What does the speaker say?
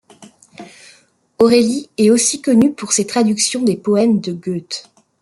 Orelli est aussi connu pour ses traductions des poèmes de Goethe.